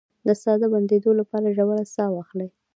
د ساه د بندیدو لپاره ژوره ساه واخلئ